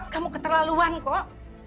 kamu keterlaluan kok